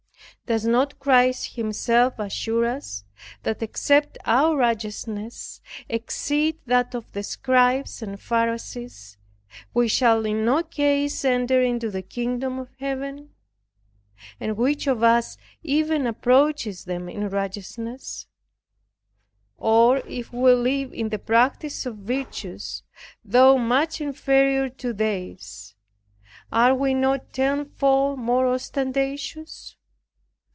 Doth not Christ Himself assure us, that "except our righteousness exceed that of the scribes and pharisees we shall in no case enter into the kingdom of heaven." And which of us even approaches them in righteousness; or, if we live in the practice of virtues, though much inferior to theirs, are we not tenfold more ostentatious?